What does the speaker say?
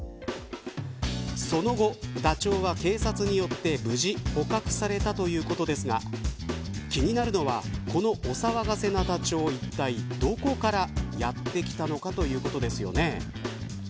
その後、ダチョウは警察によって無事、捕獲されたということですが気になるのはこのお騒がせなダチョウいったいどこからやってきたのかということですよね。